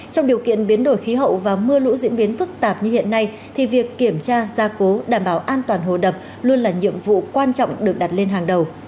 trong điều kiện biến đổi khí hậu và mưa lũ diễn biến phức tạp như hiện nay thì việc kiểm tra gia cố đảm bảo an toàn hồ đập luôn là nhiệm vụ quan trọng được đặt lên hàng đầu